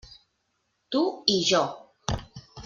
Tu i jo.